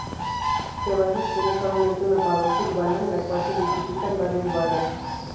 Cevallos tiene solamente una parroquia urbana en la cual se identifican varios barrios.